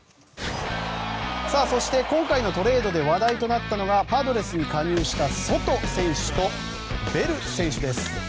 そして、今回のトレードで話題となったのがパドレスに加入したソト選手と、ベル選手です。